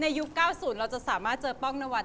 ยุค๙๐เราจะสามารถเจอป้องนวัล